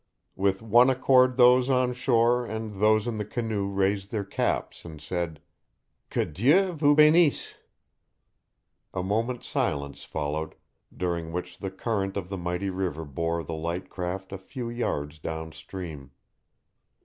With one accord those on shore and those in the canoe raised their caps and said, "Que Dieu vous benisse." A moment's silence followed, during which the current of the mighty river bore the light craft a few yards down stream.